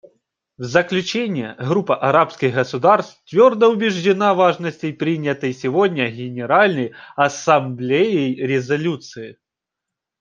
В заключение, Группа арабских государств твердо убеждена в важности принятой сегодня Генеральной Ассамблеей резолюции.